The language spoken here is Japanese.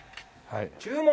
注文！